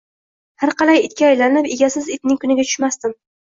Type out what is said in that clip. Harqalay, itga aylanib, egasiz itning kuniga tushmasdim